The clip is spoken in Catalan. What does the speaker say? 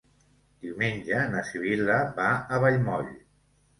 Diumenge na Sibil·la va a Vallmoll.